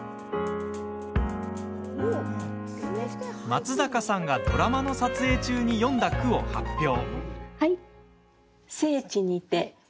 松坂さんがドラマの撮影中に詠んだ句を発表。